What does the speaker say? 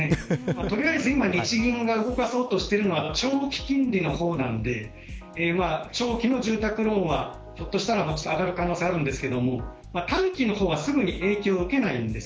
取りあえず、今日銀が動かそうとしてるのは長期金利の方なので長期の住宅ローンはひょっとしたら上がる可能性あるんですけど短期の方はすぐに影響は受けないんです。